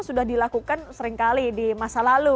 sudah dilakukan seringkali di masa lalu